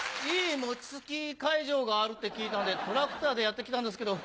餅つき会場があるって聞いたんでトラクターでやって来たんですけど。